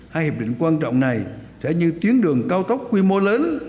hai hiệp định quan trọng này sẽ như tuyến đường cao tốc quy mô lớn